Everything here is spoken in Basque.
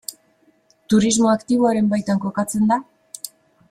Turismo aktiboaren baitan kokatzen da?